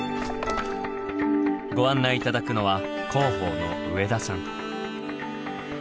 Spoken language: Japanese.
ご案内頂くのは広報の上田さん。